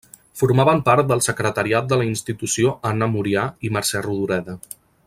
Formaven part del secretariat de la Institució Anna Murià i Mercè Rodoreda.